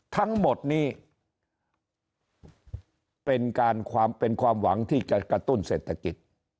ทั้งหมดนี้เป็นความหวังที่จะกระตุ้นเศรษฐกิจ